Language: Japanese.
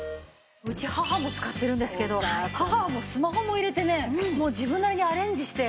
うち母も使ってるんですけど母はスマホも入れてねもう自分なりにアレンジして。